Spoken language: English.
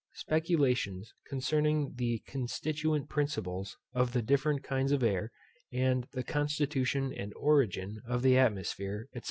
_Speculations concerning the CONSTITUENT PRINCIPLES of the different kinds of AIR, and the CONSTITUTION and ORIGIN of the ATMOSPHERE, &c.